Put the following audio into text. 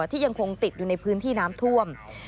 ที่ยังคงติดอยู่ในพื้นที่น้ำท่วม